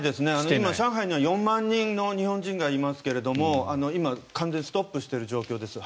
今、上海には４万人の日本人がいますが今、完全にストップしている状態です。